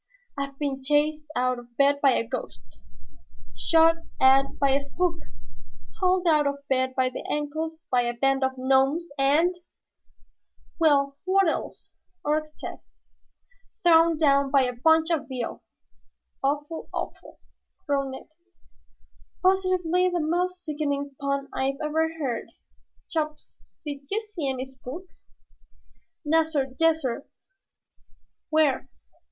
I've been chased out of bed by a ghost, shot at by a spook, hauled out of bed by the ankles by a band of gnomes, and " "Well, what else?" urged Tad. "Thrown down by a bunch of Veal." "Awful, awful!" groaned Ned. "Positively the most sickening pun I ever heard. Chops, did you see any spooks?" "Nassir, yassir." "Where?"